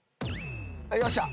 よっしゃ！